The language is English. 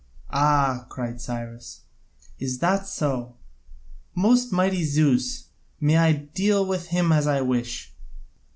"Ah," cried Cyrus, "is that so? Most mighty Zeus, may I deal with him as I wish!"